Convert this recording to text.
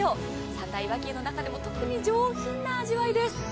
三大和牛の中でも特に上品な味わいです。